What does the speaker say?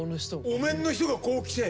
お面の人が来て？